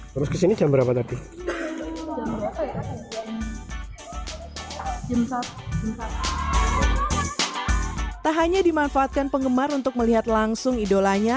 tak hanya dimanfaatkan penggemar untuk melihat langsung idolanya